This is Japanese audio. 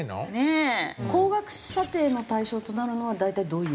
高額査定の対象となるのは大体どういうものですか？